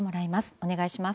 お願いします。